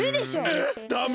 えっダメ？